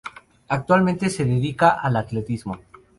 Actualmente se dedica al atletismo.